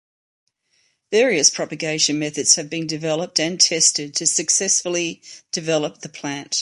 Various propagation methods have been developed and tested to successfully develop the plant.